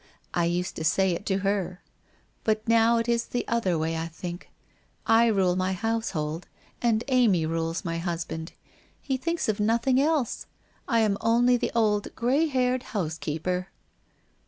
I used to say it to her. But now it is the other way, I think. I rule my household, and Amy rules my husband. He thinks of nothing else. I am only the old, grey haired housekeeper.'